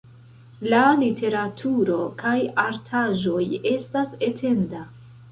La literaturo kaj artaĵoj estas etenda.